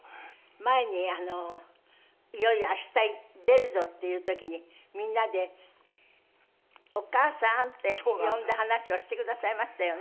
前にいよいよ明日出るぞっていう時にみんなで「お母さん」って呼んだ話をしてくださいましたよね。